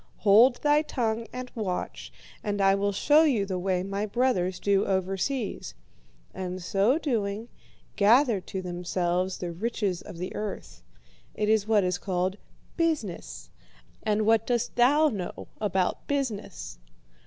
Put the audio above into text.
Hold thy tongue and watch, and I will show you the way my brothers do overseas, and, so doing, gather to themselves the riches of the earth. It is what is called "business," and what dost thou know about business?'